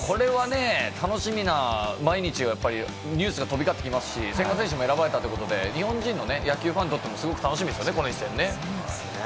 これは楽しみな毎日ニュースが飛び交ってきますし、千賀選手も選ばれたということで、日本人の野球ファンも楽しみですよね、この一戦ね。